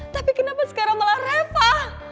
tapi kenapa sekarang malah reva